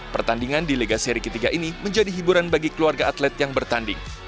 pertandingan di liga seri ketiga ini menjadi hiburan bagi keluarga atlet yang bertanding